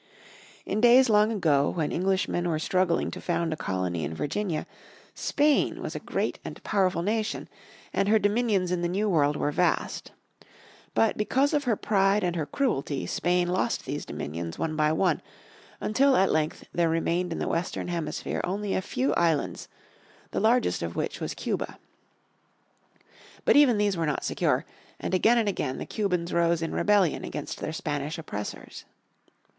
In days long ago when Englishmen were struggling to found a colony in Virginia, Spain was a great and powerful nation, and her dominions in the New World were vast. But because of her pride and her cruelty Spain lost these dominions one by one, until at length there remained in the Western hemisphere only a few islands, the largest of which was Cuba. But even these were not secure, and again and again the Cubans rose in rebellion against their Spanish oppressors.